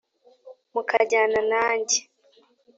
mukajyana nanjye